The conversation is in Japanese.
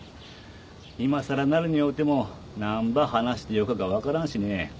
いまさらなるに会うてもなんば話してよかか分からんしね。